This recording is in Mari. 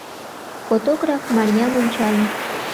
Фотограф Марьям ончале.